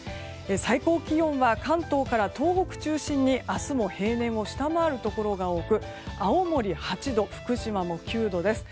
最高気温は関東から東北中心に明日も平年を下回るところが多く青森８度、福島も９度です。